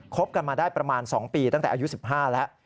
บกันมาได้ประมาณ๒ปีตั้งแต่อายุ๑๕แล้ว